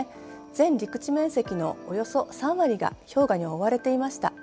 全陸地面積のおよそ３割が氷河に覆われていました。